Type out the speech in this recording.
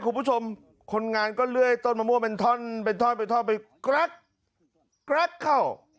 คุณผู้ชมคนงานก็เลื่อยต้นมะม่วงเป็นท่อนเป็นท่อนเป็นท่อนไปกรั๊กกรั๊กเข้า